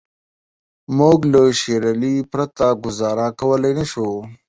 موږ له شېر علي پرته ګوزاره کولای شو.